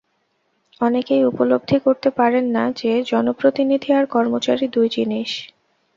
অনেকেই উপলব্ধি করতে পারেন না যে জনপ্রতিনিধি আর কর্মচারী দুই জিনিস।